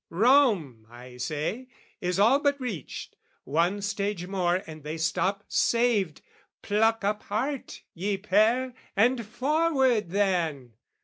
Rome, I say, Is all but reached; one stage more and they stop Saved: pluck up heart, ye pair, and forward, then!